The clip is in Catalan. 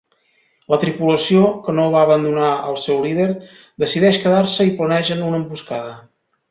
La tripulació, que no vol abandonar al seu líder, decideix quedar-se i planegen una emboscada.